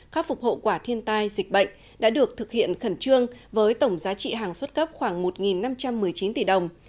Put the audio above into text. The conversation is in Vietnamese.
khắc phục hậu quả thiên tai dịch bệnh đã được thực hiện khẩn trương với tổng giá trị hàng xuất cấp khoảng một năm trăm một mươi chín tỷ đồng